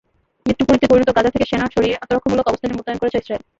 মৃত্যুপুরীতে পরিণত গাজা থেকে সেনা সরিয়ে আত্মরক্ষামূলক অবস্থানে মোতায়েন করেছে ইসরায়েল।